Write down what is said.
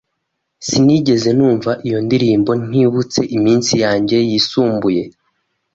Sinigeze numva iyo ndirimbo ntibutse iminsi yanjye yisumbuye.